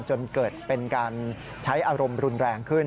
จนเกิดเป็นการใช้อารมณ์รุนแรงขึ้น